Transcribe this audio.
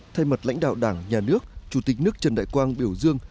thay mặt lãnh đạo đảng nhà nước chủ tịch nước trần đại quang biểu dương